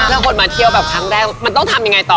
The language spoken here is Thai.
ถ้าคนมาเที่ยวแบบครั้งแรกมันต้องทำยังไงต่อ